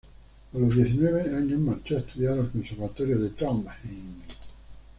A los diecinueve años marchó a estudiar al conservatorio de Trondheim.